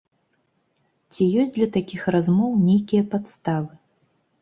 Ці ёсць для такіх размоў нейкія падставы?